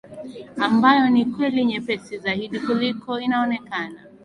ambayo ni kweli nyepesi zaidi kuliko inaonekana